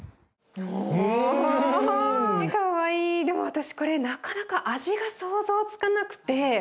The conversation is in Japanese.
でも私これなかなか味が想像つかなくて。